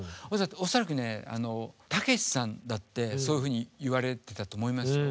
恐らくねたけしさんだってそういうふうに言われてたと思いますよ。